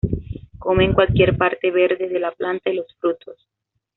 Comen cualquier parte verde de la planta y los frutos.